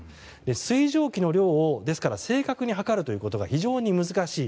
水蒸気の量を正確に測るということが非常に難しい。